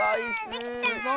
できた！